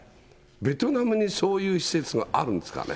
ベトナムにそういう施設があるんですかね。